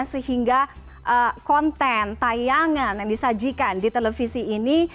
sehingga konten tayangan yang disajikan di televisi ini